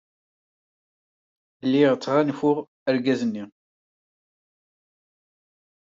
Lliɣ ttɣanfuɣ argaz-nni.